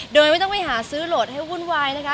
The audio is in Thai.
โดยไม่ต้องไปหาซื้อโหลดให้วุ่นวายนะคะ